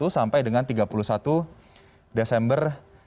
sampai dengan tiga puluh satu desember dua ribu dua puluh